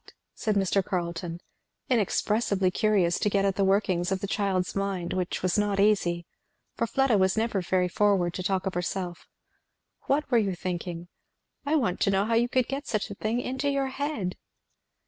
said Mr. Carleton, inexpressibly curious to get at the workings of the child's mind, which was not easy, for Fleda was never very forward to talk of herself; "what were you thinking? I want to know how you could get such a thing into your head."